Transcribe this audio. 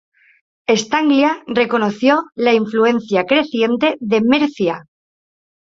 Estanglia reconoció la influencia creciente de Mercia.